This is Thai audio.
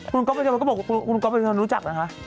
คุณก๊อปบัจจัยพนธ์ก็บอกคุณก๊อปบัจจัยพนธ์รู้จักนะครับ